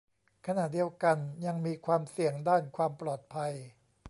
ขณะเดียวกันยังมีความเสี่ยงด้านความปลอดภัย